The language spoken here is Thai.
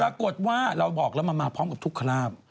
ปรากฏว่าเราบอกแล้วมันมาพร้อมกับทุกคราบ